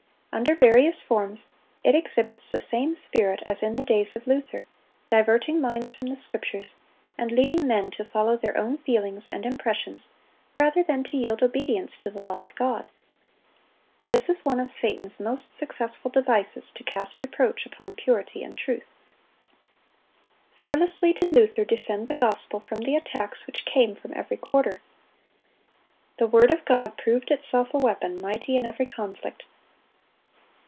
Under various forms it exhibits the same spirit as in the days of Luther, diverting minds from the Scriptures, and leading men to follow their own feelings and impressions rather than to yield obedience to the law of God. This is one of Satan's most successful devices to cast reproach upon purity and truth. Fearlessly did Luther defend the gospel from the attacks which came from every quarter. The word of God proved itself a weapon mighty in every conflict.